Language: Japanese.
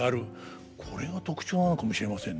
これが特徴なのかもしれませんね。